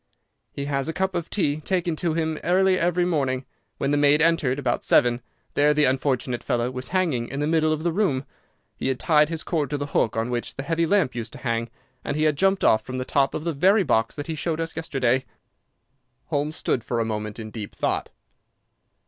"He has a cup of tea taken in to him early every morning. When the maid entered, about seven, there the unfortunate fellow was hanging in the middle of the room. He had tied his cord to the hook on which the heavy lamp used to hang, and he had jumped off from the top of the very box that he showed us yesterday." Holmes stood for a moment in deep thought.